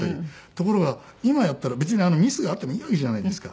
ところが今やったら別にミスがあってもいいわけじゃないですか。